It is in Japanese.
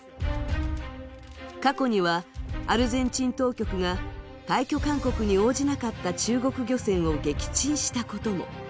過去にはアルゼンチン当局が退去勧告に応じなかった中国漁船を撃沈したことも。